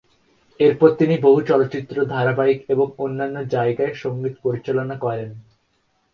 এরপর তিনি বহু চলচ্চিত্র, ধারাবাহিক এবং অন্যান্য জায়গায় সংগীত পরিচালনা করেন।